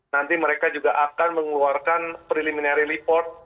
nanti mereka juga akan mengeluarkan preliminary report